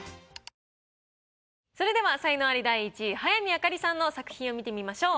それでは才能アリ第１位早見あかりさんの作品を見てみましょう。